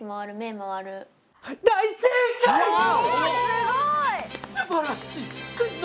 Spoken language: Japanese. すごい！